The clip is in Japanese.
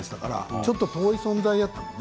ちょっと遠い存在だったよね